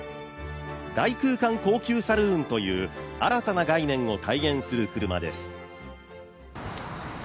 大空間高級サルーンという新たな概念を体現する車です。